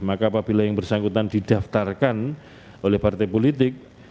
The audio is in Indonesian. maka apabila yang bersangkutan didaftarkan oleh partai politik